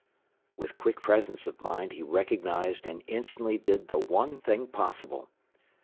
With quick presence of mind he recognized and instantly did the one thing possible.